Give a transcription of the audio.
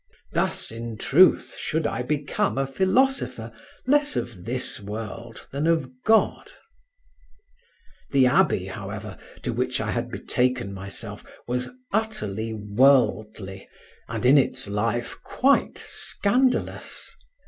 Thus, in truth, should I become a philosopher less of this world than of God. The abbey, however, to which I had betaken myself was utterly worldly and in its life quite scandalous.